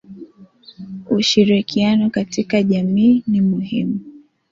Ushirikiano katika jamii ni muhimu